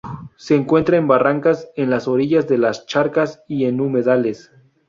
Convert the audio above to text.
Se encuentra en barrancas, en las orillas de las charcas y en humedales.